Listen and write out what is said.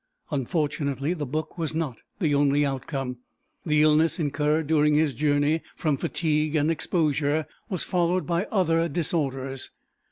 Unfortunately, the book was not the only outcome. The illness incurred during his journey from fatigue and exposure was followed by other disorders.